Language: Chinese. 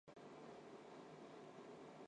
恨这部电影！